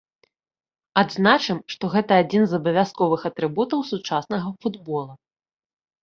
Адзначым, што гэта адзін з абавязковых атрыбутаў сучаснага футбола.